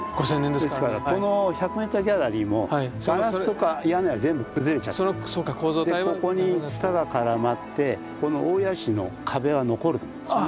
ですからこの１００メートルギャラリーもガラスとか屋根は全部崩れちゃってここにツタが絡まってこの大谷石の壁は残ると思うんですよね。